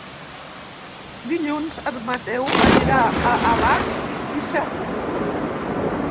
Dilluns en Mateu anirà a Alàs i Cerc.